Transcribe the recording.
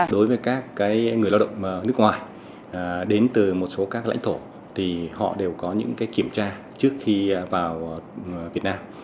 đối với các người lao động nước ngoài đến từ một số các lãnh thổ thì họ đều có những kiểm tra trước khi vào việt nam